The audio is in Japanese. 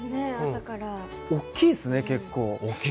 大きいですね、結構。